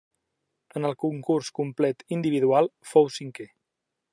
En el concurs complet individual fou cinquè.